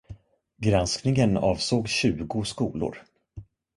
Granskningen avsåg tjugo skolor.